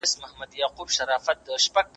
د انسان شتمني د هغه پوهه او معنويت دی.